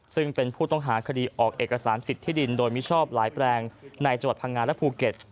ซึ่งเป็นผู้ต้องหาคดีออกเอกสารสิทธิดินโดยมิชอบหลายแปลงในจังหวัดพังงาและภูเก็ต